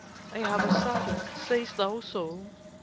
I have a saddel—"Say'st thou soe?